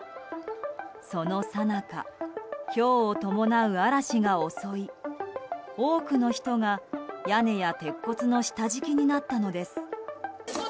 そのさなかひょうを伴う嵐が襲い多くの人が、屋根や鉄骨の下敷きになったのです。